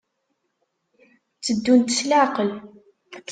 Tteddunt s leɛqel.